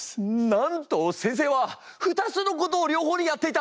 なんと先生は２つのことを両方でやっていた。